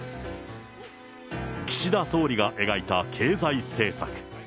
岸田総理が描いた経済政策。